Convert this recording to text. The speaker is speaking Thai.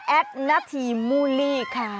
แอดณธีมูลลี่ค่ะ